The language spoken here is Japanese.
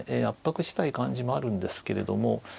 圧迫したい感じもあるんですけれども。